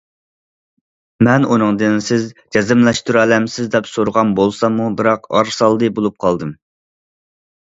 مەن ئۇنىڭدىن‹‹ سىز جەزملەشتۈرەلەمسىز؟›› دەپ سورىغان بولساممۇ، بىراق ئارىسالدى بولۇپ قالدىم.